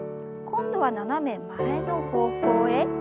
今度は斜め前の方向へ。